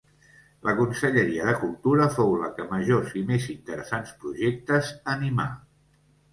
La Conselleria de Cultura fou la que majors i més interessants projectes animà.